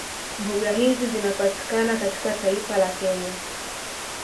Mbuga hizi zinapatikana katika taifa la Kenya